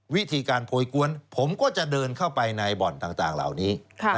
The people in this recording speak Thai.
วิธีการโพยกวนผมก็จะเดินเข้าไปในบ่อนต่างเหล่านี้